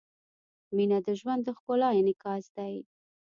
• مینه د ژوند د ښکلا انعکاس دی.